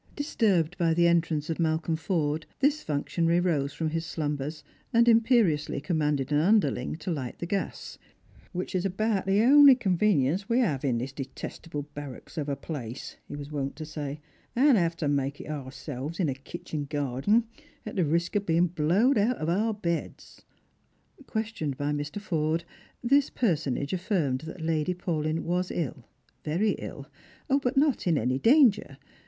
Disturbed by the entrance of Malcolm Forde, this function ary rose from his slumbers, and imperiously commanded an underUng to light the gas, " which is about the honly con venience we 'av in this detestable barracks of a place," he was wont to say, " and 'av to make it ourselves in the kitchen garding, at the risk of being blowed out of our beds." Questioned by Mr. Forde, this personage affirmed that Lady Paulyn was ill, very ill ; but not in any danger.